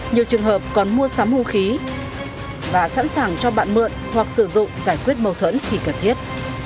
nhiều trường hợp còn mua sắm vũ khí và sẵn sàng cho bạn mượn hoặc sử dụng giải quyết mâu thuẫn khi cần thiết